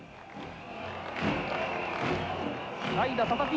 代打佐々木。